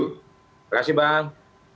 terima kasih bang